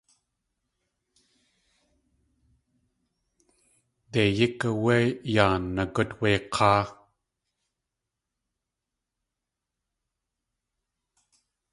Dei yík áwé yaa nagút wé k̲áa.